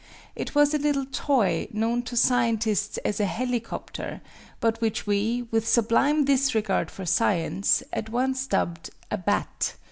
It was a little toy, known to scientists as a "helicoptere," but which we, with sublime disregard for science, at once dubbed a "bat."